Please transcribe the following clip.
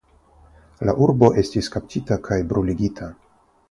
La urbo estis kaptita kaj bruligita.